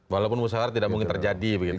walaupun musahara tidak mungkin terjadi begitu ya